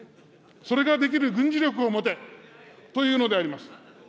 それができる軍事力を持てというのであります。